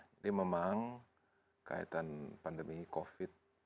ini memang kaitan pandemi covid sembilan belas